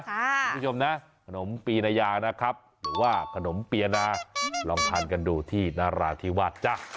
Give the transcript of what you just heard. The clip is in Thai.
คุณผู้ชมนะขนมปีนายานะครับหรือว่าขนมเปียนาลองทานกันดูที่นราธิวาสจ๊ะ